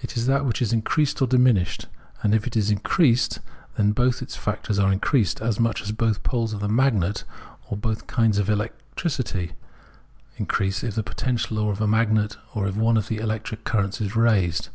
It is that which is increased or diminished, and if it is increased, then both its factors are increased, as much as both poles of the magnet or both kinds of electricity 262 Phenomenology of Mind increase if the potential of a magnet or of one of the electric currents is raised.